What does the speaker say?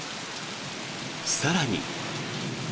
更に。